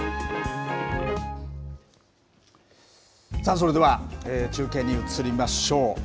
それでは、中継に移りましょう。